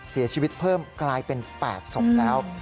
เสียชีวิตเพิ่มกลายเป็น๘ศพแล้ว